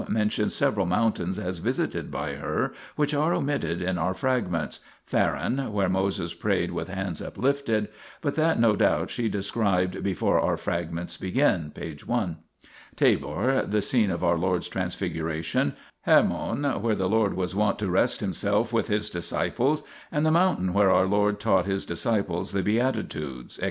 mentions several mountains as visited by her, which are omitted in our fragments : Faran, where Moses prayed with hands uplifted, but that no doubt she described before our fragments begin (p. i); Tabor, the scene of our Lord's Transfiguration ; Hermon, where the Lord was wont to rest Himself with His disciples, and the mountain where our Lord taught His disciples the beatitudes, etc.